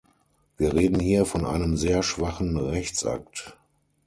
Wir reden hier von einem sehr schwachen Rechtsakt.